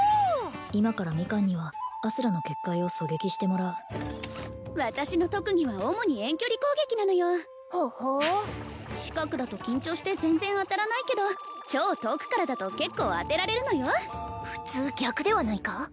今からミカンにはあすらの結界を狙撃してもらう私の特技は主に遠距離攻撃なのよほほう近くだと緊張して全然当たらないけど超遠くからだと結構当てられるのよ普通逆ではないか？